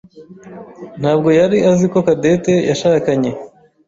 ntabwo yari azi ko Cadette yashakanye.